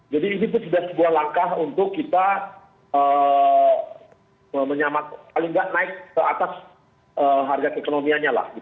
jadi ini pun sudah sebuah langkah untuk kita meniamat paling tidak naik ke atas harga kekonomianya lah